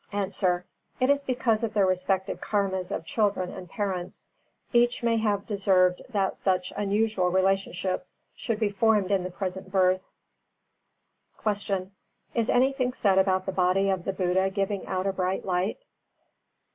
_ A. It is because of the respective Karmas of children and parents; each may have deserved that such unusual relationships should be formed in the present birth. 334. Q. _Is anything said about the body of the Buddha giving out a bright light?